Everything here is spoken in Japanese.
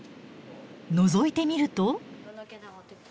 のぞいてみると。